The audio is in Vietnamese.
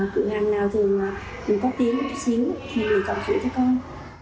cửa hàng nào thường cũng có tiếng một chút xíu thì mình cầm sữa cho con